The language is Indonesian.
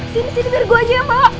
sini sini biar gue aja yang bawa